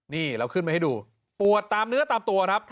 นี่เราขึ้นไปให้ดูปวดตามเนื้อตามตัวครับ